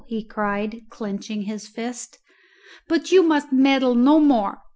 he cried, clenching his fist. "But you must meddle no more!